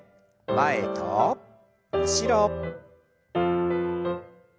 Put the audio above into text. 前と後ろ。